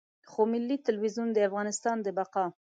خو ملي ټلویزیون د افغانستان د بقا.